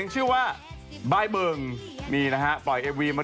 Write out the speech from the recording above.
สะปัดต่อไม่รอแล้วนาน